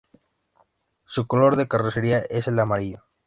Su color de carrocería es el amarillo.